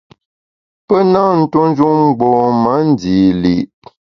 Pe nâ ntue njun mgbom-a ndî li’.